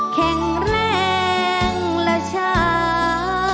แข็งแรงและช้า